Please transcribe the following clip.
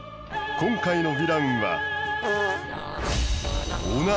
今回のヴィランは。